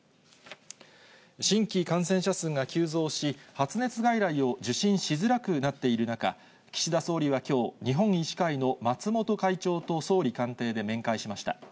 新規感染者数が急増し、発熱外来を受診しづらくなっている中、岸田総理はきょう、日本医師会の松本会長と総理官邸で面会しました。